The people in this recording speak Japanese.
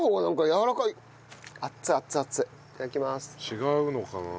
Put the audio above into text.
違うのかな？